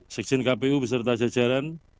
sekjen kpu beserta jajaran